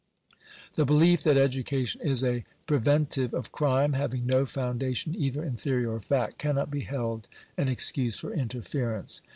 The belief that education is a pre ventive of crime, having no foundation either in theory or fact, cannot be held an excuse for interference.